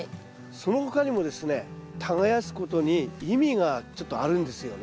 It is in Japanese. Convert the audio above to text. その他にもですね耕すことに意味がちょっとあるんですよね。